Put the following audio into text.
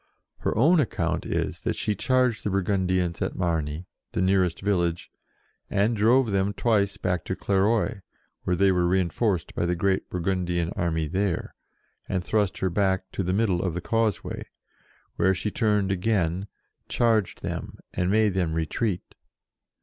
Her own account is that she charged the Burgundians at Margny, the nearest village, and drove them twice back to Clairoix, where they were reinforced by the great Burgundian army there, and thrust her back to the middle of the cause way, where she turned again, charged them, and made them retreat.